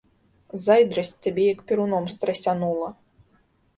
Зайздрасць цябе як перуном страсянула.